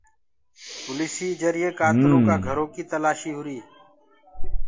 پوليسيٚ جرئي ڪآتلو ڪآ گھرو ڪيٚ تلآسيٚ هوُري۔